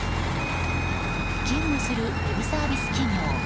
勤務するウェブサービス企業